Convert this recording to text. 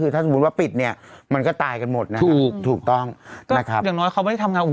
แต่ก็ดีอย่างน้อยก็เขาได้ทำงาน